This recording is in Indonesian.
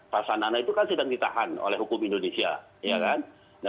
pak sanana itu kan sedang ditahan oleh hukum indonesia